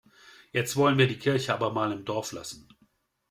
Jetzt wollen wir die Kirche aber mal im Dorf lassen.